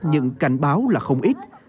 những cảnh báo là không ít